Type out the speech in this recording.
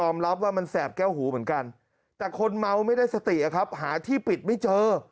รับว่ามันแสบแก้วหูเหมือนกันแต่คนเมาไม่ได้สติอะครับหาที่ปิดไม่เจอ